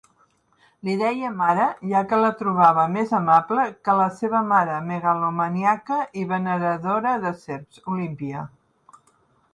Li deia "mare", ja que la trobava més amable que a la seva mare megalomaníaca i veneradora de serps, Olímpia.